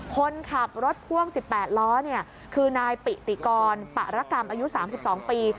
คนขับรถพ่วง๑๘ล้อคือนายปิติกรปรกรรมอายุ๓๒ปี